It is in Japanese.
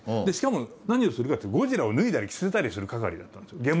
しかも何をするかっていうとゴジラを脱いだり着せたりする係だったんですよ。